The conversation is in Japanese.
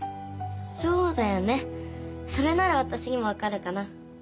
そうだよねそれならわたしにもわかるかな。